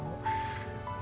kamu butuh sesuatu